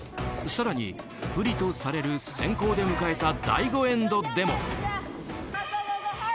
更に不利とされる先行で迎えた第５エンドでも。